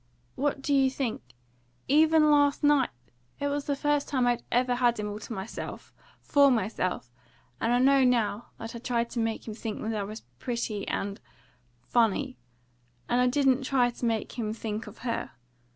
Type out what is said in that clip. "What do you think? Even last night! It was the first time I ever had him all to myself, for myself, and I know now that I tried to make him think that I was pretty and funny. And I didn't try to make him think of her.